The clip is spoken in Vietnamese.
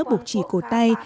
buộc chỉ cầu tay